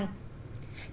chương trình nông nghiệp